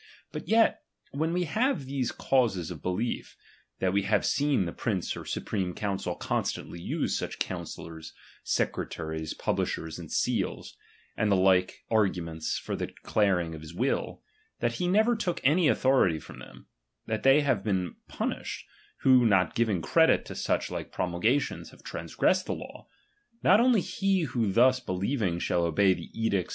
But yet, when we have these causes of beUef ; that we have seen the prince or supreme counsel constantly use such counsellors, secreta ries, publishers, and seals, and the like argu ments for the declaring of his will ; that he never took any authority from them ; that they have lieen punished, who not giving credit to such like promulgations have transgressed the law ; not only he who thus believing shall obey the edicts a.